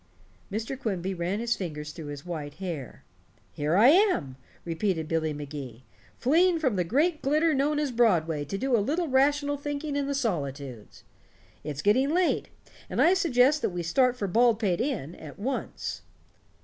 Mr. Quimby ran his fingers through his white hair. "Here I am," repeated Billy Magee, "fleeing from the great glitter known as Broadway to do a little rational thinking in the solitudes. It's getting late, and I suggest that we start for Baldpate Inn at once."